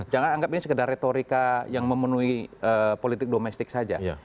jangan anggap ini sekedar retorika yang memenuhi politik domestik saja